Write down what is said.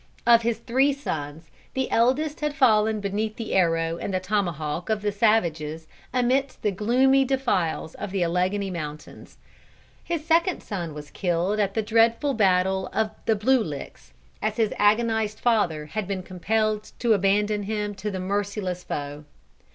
Of his three sons, the eldest had fallen beneath the arrow and the tomahawk of the savages amidst the gloomy defiles of the Alleghany mountains. His second son was killed at the dreadful battle of the Blue Licks, as his agonised father had been compelled to abandon him to the merciless foe.